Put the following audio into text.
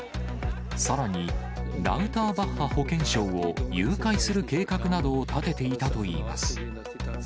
さらに、保健相を誘拐する計画などを立てていたといいます。